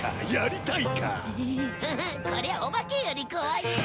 フフッこりゃお化けより怖い。